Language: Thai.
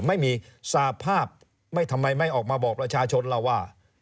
ไม่มีสภาพไม่ทำไมไม่ออกมาบอกประชาชนล่ะว่า